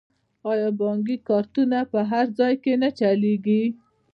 آیا بانکي کارتونه په هر ځای کې نه چلیږي؟